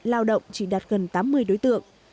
lao động chỉ đạt gần tám mươi đối tượng